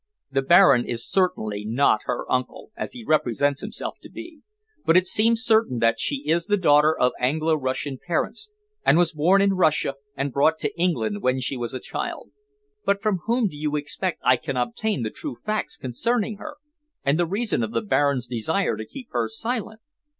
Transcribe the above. The baron is certainly not her uncle, as he represents himself to be, but it seems certain that she is the daughter of Anglo Russian parents, and was born in Russia and brought to England when a child." "But from whom do you expect I can obtain the true facts concerning her, and the reason of the baron's desire to keep her silent?"